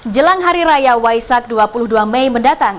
jelang hari raya waisak dua puluh dua mei mendatang